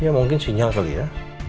ya mungkin sinyal kali ya